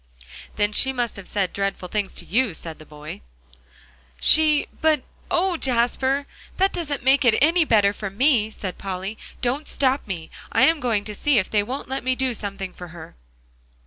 "Then she must have said dreadful things to you," said the boy. "She but, oh, Jasper! that doesn't make it any better for me," said Polly. "Don't stop me; I am going to see if they won't let me do something for her."